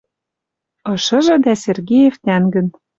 Ышыжы дӓ Сергеев тӓнгӹн.